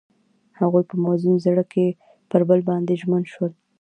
هغوی په موزون زړه کې پر بل باندې ژمن شول.